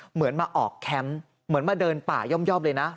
เหมือนมาออกแคมป์เหมือนมาเดินป่าย่อมเลยนะ